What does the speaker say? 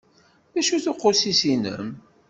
D acu-t uqusis-inem?